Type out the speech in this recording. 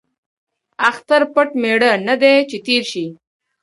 ـ اختر پټ ميړه نه دى ،چې تېر شي.